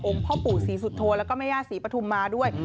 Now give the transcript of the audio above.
พ่อปู่ศรีสุโธแล้วก็แม่ย่าศรีปฐุมมาด้วย